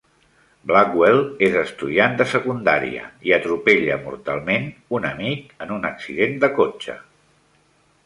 Blackwell és estudiant de secundària i atropella mortalment un amic en un accident de cotxe.